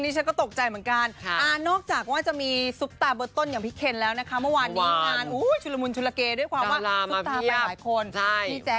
พี่แจกยกตัวยางทีในความชุลมุนวุ่นวายของเมื่อวันนี้